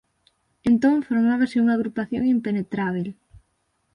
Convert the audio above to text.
Entón formábase unha agrupación impenetrábel.